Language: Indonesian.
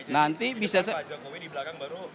oke jadi itu pak jokowi di belakang baru